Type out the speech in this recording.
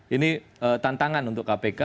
ini tantangan untuk kpk